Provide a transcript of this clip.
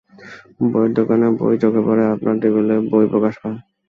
বইয়ের দোকানে বই চোখে পড়ে, আপনার টেবিলে বই প্রকাশ পায়।